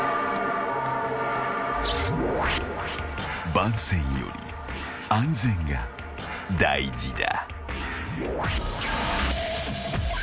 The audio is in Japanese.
［番宣より安全が大事だ］